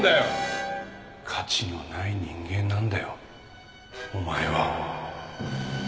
価値のない人間なんだよお前は。